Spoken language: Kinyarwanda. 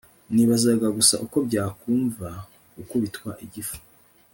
nibazaga gusa uko byakumva gukubitwa igifu